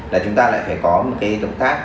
là chúng ta lại phải có một cái động tác